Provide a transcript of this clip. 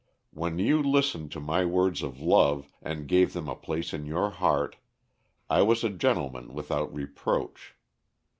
When you listened to my words of love and gave them a place in your heart, I was a gentleman without reproach.